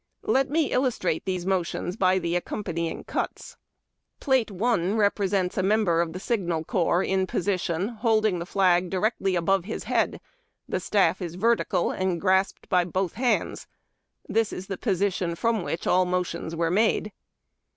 Let me illustrate these motions by the accompany ins: cuts. PLATE 3. 398 HABD TACK AND COFFEE. Plate 1 represents a member of the Signal Corps in posi tion, holding the flag directly above his head, the staff vertical, and grasped by both liands. This is the position from which all the motions were made.